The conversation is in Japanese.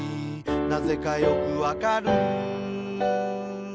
「なぜかよくわかる」